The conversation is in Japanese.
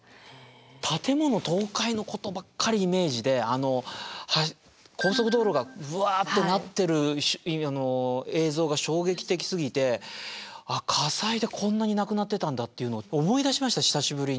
建物倒壊のことばっかりイメージで高速道路がブワッとなってる映像が衝撃的すぎてあっ火災でこんなに亡くなってたんだっていうの思い出しました久しぶりに。